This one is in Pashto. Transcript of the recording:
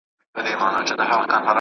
محمدرفيق حبيبي محمديار صاحبزاده